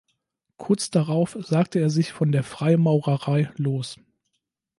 Kurz darauf sagte er sich von der Freimaurerei los.